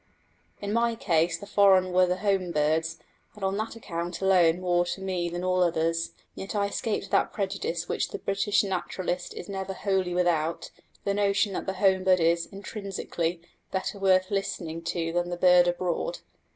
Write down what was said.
In my case the foreign were the home birds, and on that account alone more to me than all others; yet I escaped that prejudice which the British naturalist is never wholly without the notion that the home bird is, intrinsically, better worth listening to than the bird abroad.